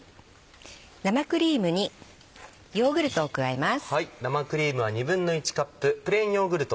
生クリームにヨーグルトを加えます。